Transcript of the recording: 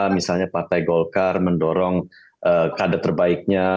misalnya partai golkar mendorong kader terbaiknya